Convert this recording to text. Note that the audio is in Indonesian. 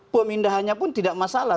pemindahannya pun tidak masalah